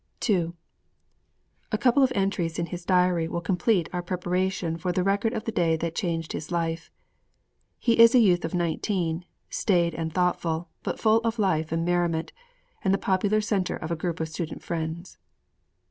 II A couple of entries in his diary will complete our preparation for the record of the day that changed his life. He is a youth of nineteen, staid and thoughtful, but full of life and merriment, and the popular center of a group of student friends.